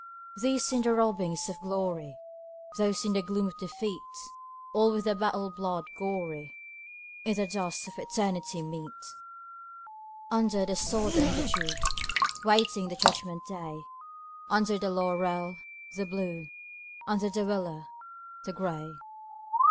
These in the robings of glory, Those in the gloom of defeat, All with the battle blood gory, In the dusk of eternity meet: Under the sod and the dew, Waiting the judgment day; Under the laurel, the Blue, Under the willow, the Gray.